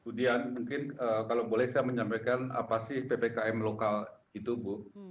budian mungkin kalau boleh saya menyampaikan apa sih ppkm lokal itu bu